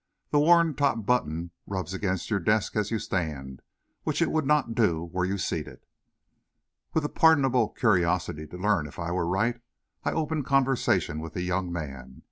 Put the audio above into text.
The worn top button rubs against your desk as you stand, which it would not do were you seated." With a pardonable curiosity to learn if I were right, I opened conversation with the young man.